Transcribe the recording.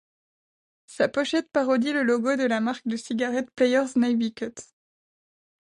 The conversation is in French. Sa pochette parodie le logo de la marque de cigarettes Player's Navy Cut.